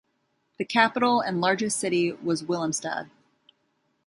The capital and largest city was Willemstad.